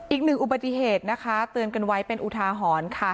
อีกหนึ่งอุบัติเหตุนะคะเตือนกันไว้เป็นอุทาหรณ์ค่ะ